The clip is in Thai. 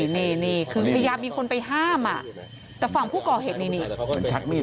นี่คือพยายามมีคนไปห้ามแต่ฝั่งผู้ก่อเห็นนี่